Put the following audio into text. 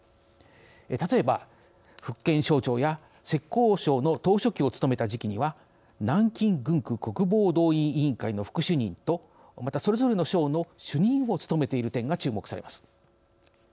例えば福建省長や浙江省の党書記を務めた時期には南京軍区国防動員委員会の副主任と、それぞれの省の主任を務めている点が注目されます。